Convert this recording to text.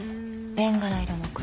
ベンガラ色の車。